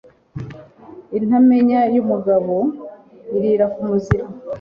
Intamenya y’umugabo irira ku muziro